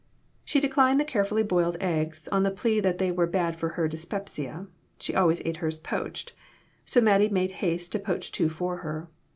She declined the carefully boiled eggs, on the plea that they were bad for her dyspepsia she always ate hers poached so Mattie made haste to poach two for her.